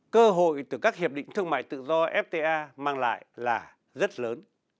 cơ hội từ các hiệp định thương mại tự do fta mang lại là rất lớn